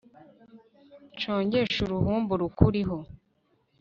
nshongeshe uruhumbu rukuriho